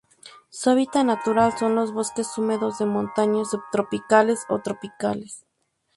Su hábitat natural son los bosques húmedos de montaña, subtropicales o tropicales.